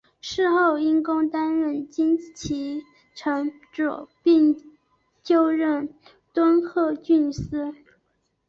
事后因公担任金崎城主并就任敦贺郡司。